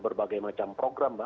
berbagai macam program